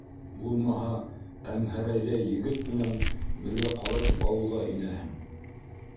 Булмаһа, әңгәһәрҙәй егет менән бергә ҡалайтып ауылға инәһең.